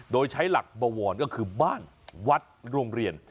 โดยใช้หลักบวรก็คือบ้านวัดโรงเรียน